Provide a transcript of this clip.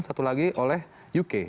satu lagi oleh uk